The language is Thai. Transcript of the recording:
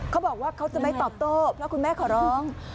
เขาบอกว่าเขาจะไม่ตอบโต้เพราะคุณแม่ขอร้อง